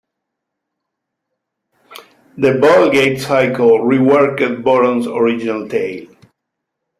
The Vulgate Cycle reworked Boron's original tale.